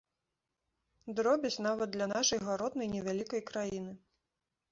Дробязь нават для нашай гаротнай невялікай краіны.